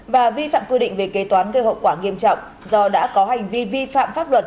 và vi phạm quy định về kế toán gây hậu quả nghiêm trọng do đã có hành vi vi phạm pháp luật